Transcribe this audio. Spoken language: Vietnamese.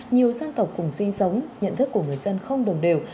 nhiều dân tộc cùng sinh sống nhận thức của người dân không đồng đều